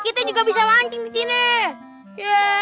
kita juga bisa mancing disini